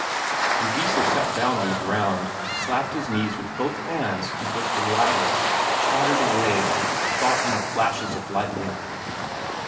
And Geissler sat down on the ground, slapped his knees with both hands and was delighted, chattered away, thought in flashes of lightning.